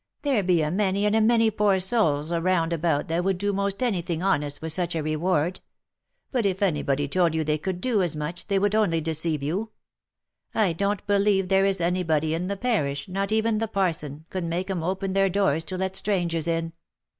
" There be a many and a many poor souls round about that would do amost any thing Jionest for such a reward ; but if any body told you they could do as much, they would only deceive you, I don't believe there is any body in the parish, not even the parson, could make 'em open their doors to let strangers in."